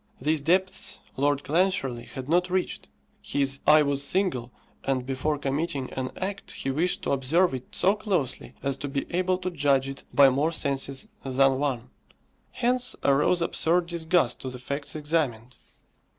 These depths Lord Clancharlie had not reached. His "eye was single," and before committing an act he wished to observe it so closely as to be able to judge it by more senses than one. Hence arose absurd disgust to the facts examined.